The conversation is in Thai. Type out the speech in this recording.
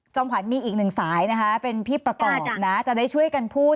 ขวัญมีอีกหนึ่งสายนะคะเป็นพี่ประกอบนะจะได้ช่วยกันพูด